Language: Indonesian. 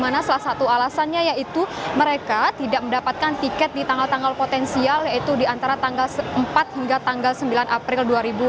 salah satu alasannya yaitu mereka tidak mendapatkan tiket di tanggal tanggal potensial yaitu di antara tanggal empat hingga tanggal sembilan april dua ribu dua puluh